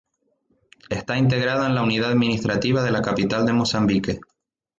Está integrada en la unidad administrativa de la capital de Mozambique.